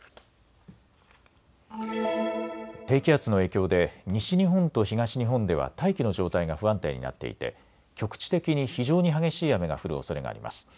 低気圧の影響で西日本と東日本では大気の状態が不安定になっていて局地的に非常に激しい雨が降るおそれがあります。